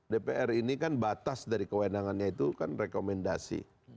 dpr ini kan batas dari kewenangannya itu kan rekomendasi